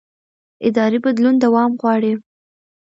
اداري بدلون دوام غواړي